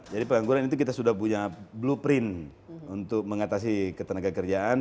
jadi pengangguran itu kita sudah punya blueprint untuk mengatasi ketenagakerjaan